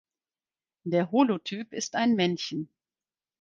Der Holotyp ist ein Männchen.